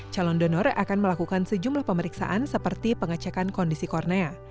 calon donor akan melakukan sejumlah pemeriksaan seperti pengecekan kondisi kornea